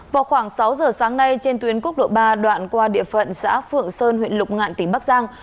vào khoảng sáu giờ sáng nay trên tuyến quốc lộ ba đoạn qua địa phận xã phượng sơn huyện lục ngạn tỉnh bắc giang